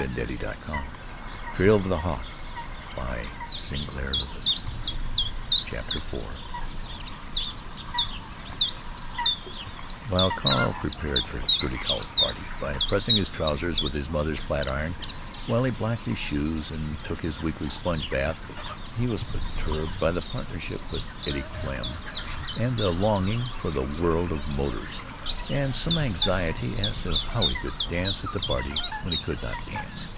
And going twenty miles an hour, like a train!" CHAPTER IV hile Carl prepared for Gertie Cowles's party by pressing his trousers with his mother's flat iron, while he blacked his shoes and took his weekly sponge bath, he was perturbed by partisanship with Eddie Klemm, and a longing for the world of motors, and some anxiety as to how he could dance at the party when he could not dance.